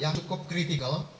yang cukup kritikal